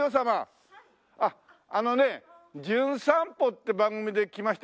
あのね『じゅん散歩』って番組で来ました